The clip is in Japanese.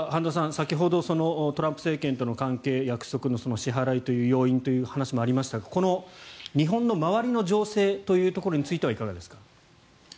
先ほどトランプ政権との関係約束の支払いという要因という話もありましたがこの日本の周りの情勢というところに関してはいかがですか？